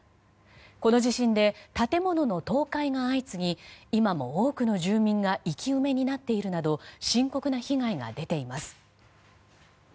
この地震で建物の倒壊が相次ぎ今も多くの住民が生き埋めになっているなど深刻な被害が出ています。